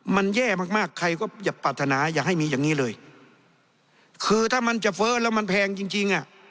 มันแย่มากมากใครก็อย่าปรารถนาอย่าให้มีอย่างงี้เลยคือถ้ามันจะเฟ้อแล้วมันแพงจริงจริงอ่ะ